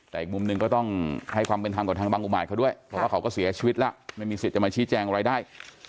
แต่อีกมุมหนึ่งก็ต้องให้ความเป็นธรรมกับทางบางอุมาตเขาด้วยเพราะว่าเขาก็เสียชีวิตแล้วไม่มีสิทธิ์จะมาชี้แจงอะไรได้